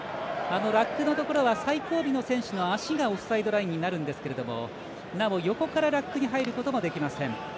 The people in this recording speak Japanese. ラックのところは最後尾の選手の足がオフサイドラインになるんですけれどなお、横かラックに入ることもできません。